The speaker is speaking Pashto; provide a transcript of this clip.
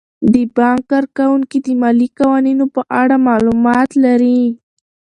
د بانک کارکوونکي د مالي قوانینو په اړه معلومات لري.